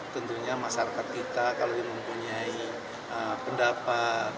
tentunya masyarakat kita kalau mempunyai pendapat